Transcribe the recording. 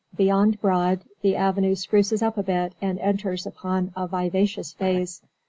Beyond Broad, the avenue spruces up a bit and enters upon a vivacious phase.